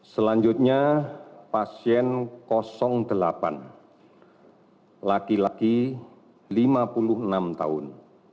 selanjutnya pasien delapan laki laki lima puluh enam tahun